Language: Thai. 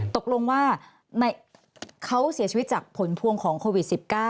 ตกลงว่าเขาเสียชีวิตจากผลพวงของโควิด๑๙